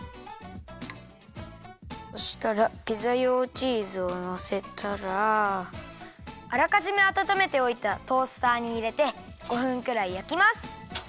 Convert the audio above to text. そしたらピザ用チーズをのせたらあらかじめあたためておいたトースターにいれて５分くらいやきます。